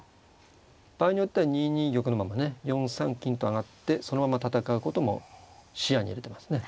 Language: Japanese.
場合によっては２二玉のままね４三金と上がってそのまま戦うことも視野に入れてますね。